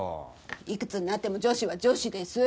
いくつになっても女子は女子ですぅ。